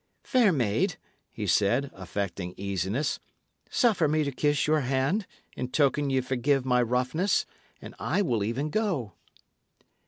"Fair maid," he said, affecting easiness, "suffer me to kiss your hand, in token ye forgive my roughness, and I will even go."